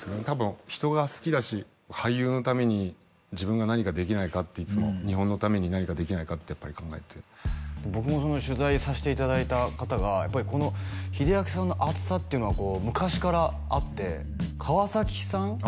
たぶん人が好きだし俳優のために自分が何かできないかっていつも日本のために何かできないかってやっぱり考えて僕もその取材さしていただいた方がやっぱりこの英明さんの熱さっていうのは昔からあって川さん？